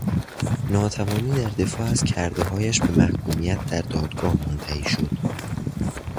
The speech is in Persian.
ناتوانی در دفاع از کردههایش، به محکومیت در دادگاه منتهی شد